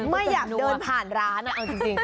ไม่อยากเดินผ่านร้านเอาจริง